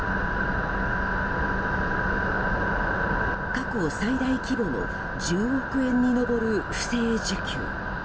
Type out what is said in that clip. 過去最大規模の１０億円に上る不正受給。